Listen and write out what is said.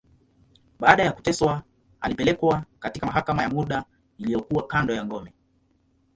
Baada ya kuteswa, alipelekwa katika mahakama ya muda, iliyokuwa kando ya ngome.